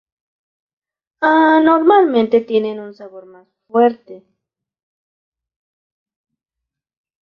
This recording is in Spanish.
Normalmente tienen un sabor más fuerte.